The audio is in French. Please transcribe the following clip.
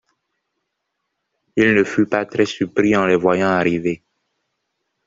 Il ne fut pas très surpris en les voyant arriver.